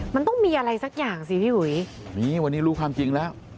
มันต้องมีอะไรสักอย่างสิพี่หุยนี่วันนี้รู้ความจริงแล้ว